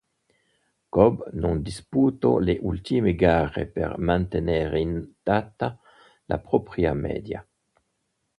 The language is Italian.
Cobb non disputò le ultime gare per mantenere intatta la propria media.